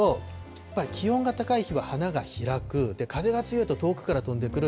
やっぱり気温が高い日は花が開く、風が強いと遠くから飛んでくる。